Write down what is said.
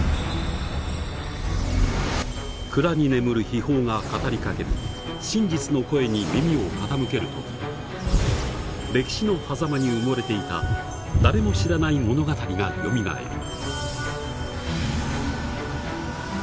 蔵に眠る秘宝が語りかける真実の声に耳を傾ける時歴史のはざまに埋もれていた誰も知らない物語がよみがえる。